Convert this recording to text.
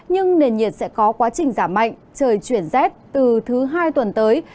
nhưng nền nhiệt sẽ có quá trình giảm mạnh trời chuyển rét từ thứ hai tuần tới